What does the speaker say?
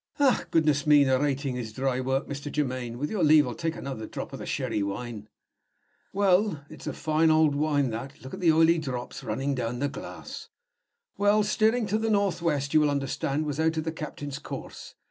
Ah, goodness me, narrating is dry work, Mr. Germaine. With your leave, I'll take another drop of the sherry wine. "Well (it's fine old wine, that; look at the oily drops running down the glass) well, steering to the north west, you will understand, was out of the captain's course.